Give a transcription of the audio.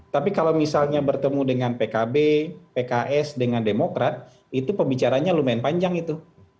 tapi kalau misalnya bertemu dengan pkb pks dengan demokrat itu pembicaranya lumayan panjang itu